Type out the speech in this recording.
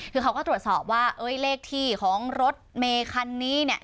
คือเขาก็ตรวจสอบว่าเลขที่ของรถเมคันนี้เนี่ย